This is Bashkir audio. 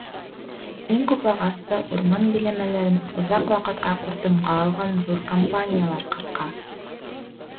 Иң күп ағасты урман биләмәләрен оҙаҡ ваҡытҡа ҡуртымға алған ҙур компаниялар ҡырҡа.